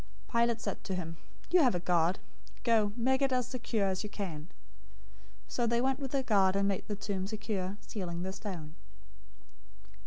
027:065 Pilate said to them, "You have a guard. Go, make it as secure as you can." 027:066 So they went with the guard and made the tomb secure, sealing the stone.